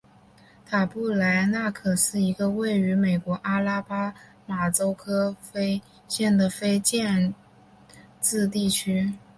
塔布莱纳可是一个位于美国阿拉巴马州科菲县的非建制地区。